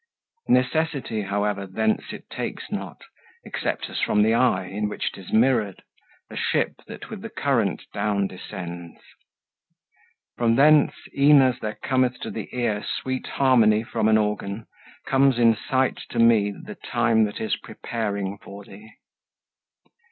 Necessity however thence it takes not, Except as from the eye, in which 'tis mirrored, A ship that with the current down descends. From thence, e'en as there cometh to the ear Sweet harmony from an organ, comes in sight To me the time that is preparing for thee.